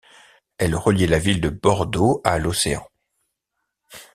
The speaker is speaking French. Elle reliait la ville de Bordeaux à l'Océan.